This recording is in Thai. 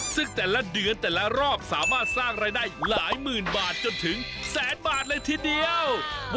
ซึ่งแต่ละเดือนแต่ละรอบสามารถสร้างรายได้หลายหมื่นบาทจนถึงแสนบาทเลยทีเดียว